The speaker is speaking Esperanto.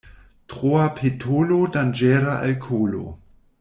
Troa petolo danĝera al kolo.